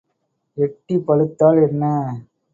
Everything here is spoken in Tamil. எட்டி பழுத்தால் என்ன?